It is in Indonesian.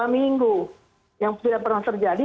dua minggu yang tidak pernah terjadi